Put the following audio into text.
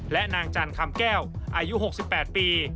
และนางจันคำแก้วอายุ๖๘ปี